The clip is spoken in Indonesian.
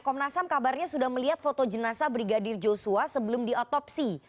komnas ham kabarnya sudah melihat foto jenazah brigadir joshua sebelum diotopsi